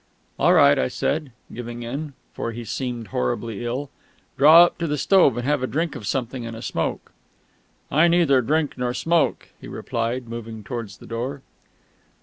"All right," I said, giving in (for he seemed horribly ill). "Draw up to the stove and have a drink of something and a smoke." "I neither drink nor smoke," he replied, moving towards the door.